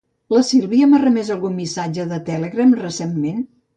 La Sílvia m'ha remès algun missatge de Telegram recentment?